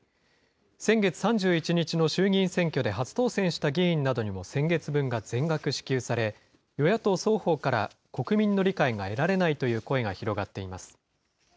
先月３１日の衆議院選挙で初当選した議員などにも先月分が全額支給され、与野党双方から国民の理解が得られないという声が広がっています。